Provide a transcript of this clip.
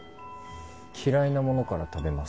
嫌いなものから食べます。